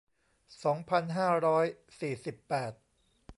สองพันห้าร้อยสี่สิบแปด